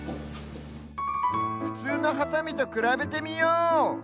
ふつうのハサミとくらべてみよう！